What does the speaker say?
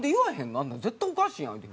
あんなん絶対おかしいやんって。